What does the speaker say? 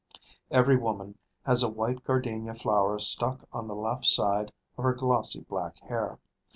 Every woman has a white gardenia flower stuck on the left side of her glossy black hair.